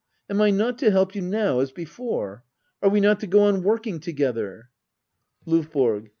Am I not to help you now, as before ? Are we not to go on worldng together ? LOVBORO.